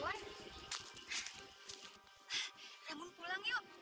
rambut pulang yuk